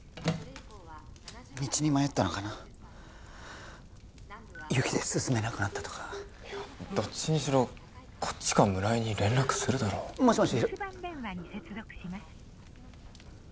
道に迷ったのかな雪で進めなくなったとかいやどっちにしろこっちか村井に連絡するだろもしもし？